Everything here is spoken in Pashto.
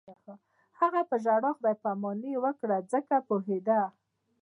هغې په ژړا خدای پاماني وکړه ځکه پوهېده